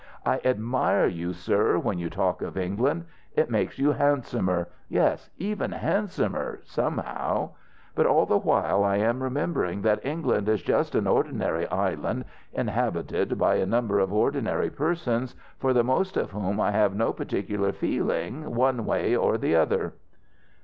"I admire you, sir, when you talk of England. It makes you handsomer yes, even handsomer! somehow. But all the while I am remembering that England is just an ordinary island inhabited by a number of ordinary persons, for the most of whom I have no particular feeling one way or the other.".